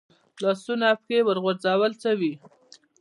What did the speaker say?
لاسونه او پښې ورغوڅوي.